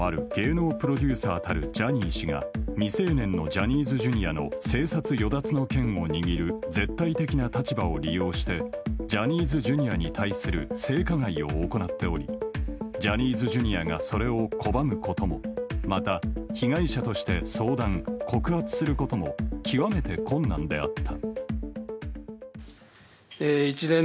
未成年のジャニーズＪｒ．の生殺与奪の権を握る絶対的な立場を利用してジャニーズＪｒ．に対する性加害を行っておりジャニーズＪｒ．がそれを拒むこともまた、被害者として相談・告発することも極めて困難であった。